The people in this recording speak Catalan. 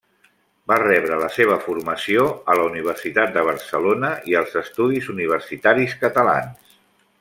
Va rebre la seva formació a la Universitat de Barcelona i als Estudis Universitaris Catalans.